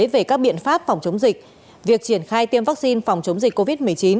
về các biện pháp phòng chống dịch việc triển khai tiêm vaccine phòng chống dịch covid một mươi chín